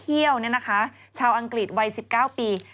เที่ยวเนี่ยนะคะชาวอังกฤษวัย๑๙ปี